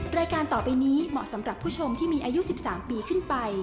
รายการต่อไปนี้เหมาะสำหรับผู้ชมที่มีอายุ๑๓ปีขึ้นไป